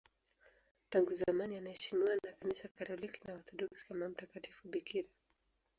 Tangu zamani anaheshimiwa na Kanisa Katoliki na Waorthodoksi kama mtakatifu bikira.